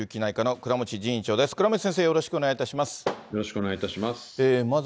倉持先生、よろしくお願いいたします。